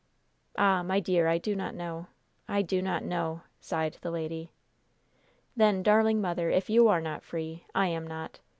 "Ah, my dear, I do not know! I do not know!" sighed the lady. "Then, darling mother, if you are not free, I am not.